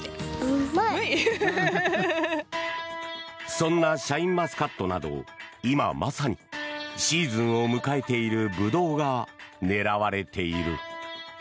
そんなシャインマスカットなど今まさにシーズンを迎えているブドウが狙われている。